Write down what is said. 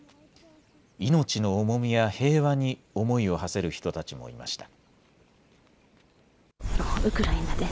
命の重みや平和に思いをはせる人たちもいました。